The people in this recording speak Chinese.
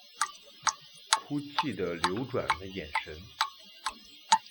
哭泣的流转的眼神